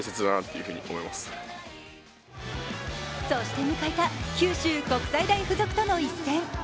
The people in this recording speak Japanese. そして迎えた九州国際大付属との一戦。